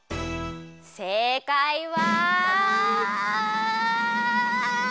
正解は。